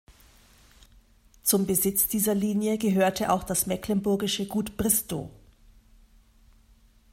Zum Besitz dieser Linie gehörte auch das mecklenburgische Gut Bristow.